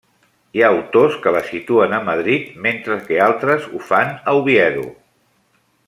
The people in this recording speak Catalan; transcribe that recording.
Hi ha autors que la situen a Madrid, mentre que altres ho fan a Oviedo.